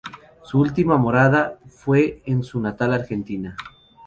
Su última morada fue en su natal Argentina.